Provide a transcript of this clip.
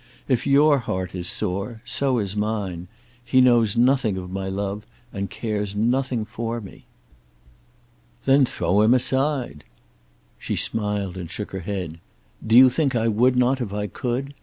If your heart is sore, so is mine. He knows nothing of my love, and cares nothing for me." "Then throw him aside." She smiled and shook her head. "Do you think I would not if I could?